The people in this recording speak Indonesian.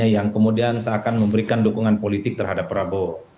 yang kemudian seakan memberikan dukungan politik terhadap prabowo